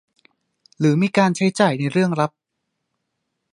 หรือมีการใช้จ่ายในเรื่องลับ